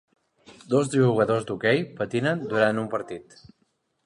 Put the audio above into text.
Dos jugadors d'hoquei patinen durant un partit